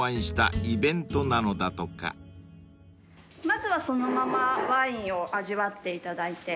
まずはそのままワインを味わっていただいて。